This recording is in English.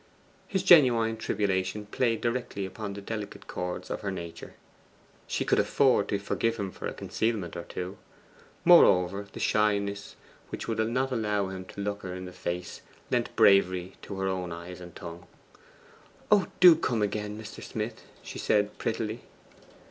His genuine tribulation played directly upon the delicate chords of her nature. She could afford to forgive him for a concealment or two. Moreover, the shyness which would not allow him to look her in the face lent bravery to her own eyes and tongue. 'Oh, DO come again, Mr. Smith!' she said prettily.